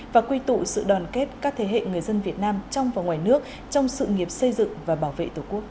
và quy tụ sự đoàn kết các thế hệ người dân việt nam trong và ngoài nước trong sự nghiệp xây dựng và bảo vệ tổ quốc